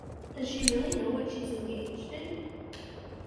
Does she really know what she's engaged in?